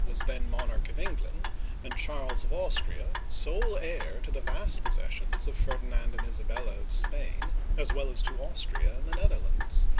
was then monarch of Eng land, and Charles of Austria sole heir to the vast posses sions of Ferdinand and Isabella of Spain, as well as to Austria and the Netherlands.